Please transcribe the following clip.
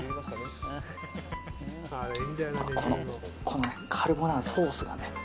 この、カルボナーラソースがね。